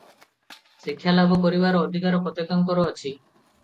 ଶିକ୍ଷାଲାଭ କରିବାର ଅଧିକାର ପ୍ରତ୍ୟେକଙ୍କର ଅଛି ।